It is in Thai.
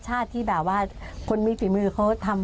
ท่านผู้ที่กดภัยพัพพี่ได้คิดว่า